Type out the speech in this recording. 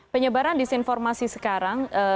penyebaran disinformasi sekarang